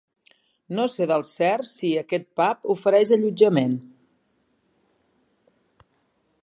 No sé del cert si aquest pub ofereix allotjament